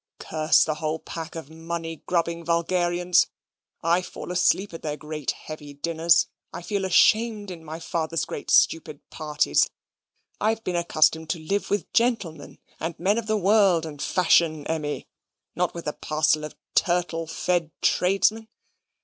"Curse the whole pack of money grubbing vulgarians! I fall asleep at their great heavy dinners. I feel ashamed in my father's great stupid parties. I've been accustomed to live with gentlemen, and men of the world and fashion, Emmy, not with a parcel of turtle fed tradesmen.